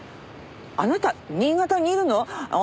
あなた新潟にいるの？